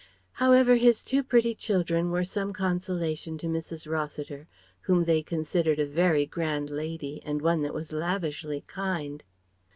However his two pretty children were some consolation to Mrs. Rossiter, whom they considered as a very grand lady and one that was lavishly kind.